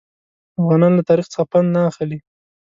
افغانان له تاریخ څخه پند نه اخلي.